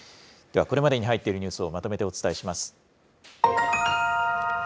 では、これまでに入っているニュースをまとめてお伝えします。